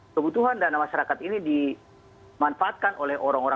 kebutuhan dana masyarakat ini dimanfaatkan oleh orang orang